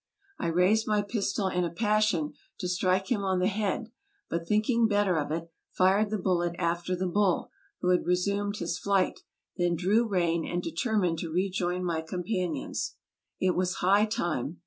I raised my pistol in a passion to strike him on the head, but thinking better of it, fired the bullet after the bull, who had resumed his flight, then drew rein and de termined to rejoin my companions. It was high time.